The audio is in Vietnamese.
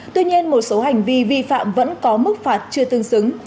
tuy nhiên một số hành vi vi phạm vẫn có mức phạt chưa tương xứng